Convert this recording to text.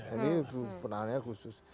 ini penanganannya khusus